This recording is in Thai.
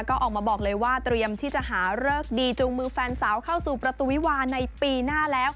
ก็ออกมาบอกเลยว่าเตรียมที่จะหาเลิกดีจูงมือแฟนสาวเข้าสู่ประตูวิวาในปีหน้าแล้ว